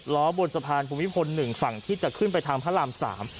ล้อบนสะพานภูมิพล๑ฝั่งที่จะขึ้นไปทางพระรามสาม